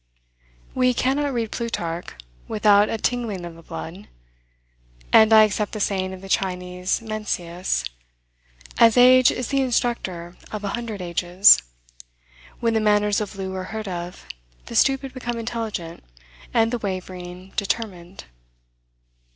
We cannot read Plutarch, without a tingling of the blood; and I accept the saying of the Chinese Mencius: "As age is the instructor of a hundred ages. When the manners of Loo are heard of, the stupid become intelligent, and the wavering, determined."